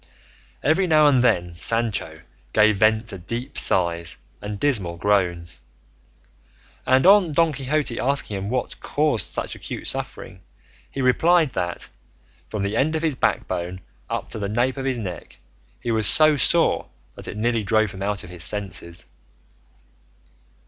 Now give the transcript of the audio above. Every now and then Sancho gave vent to deep sighs and dismal groans, and on Don Quixote asking him what caused such acute suffering, he replied that, from the end of his back bone up to the nape of his neck, he was so sore that it nearly drove him out of his senses.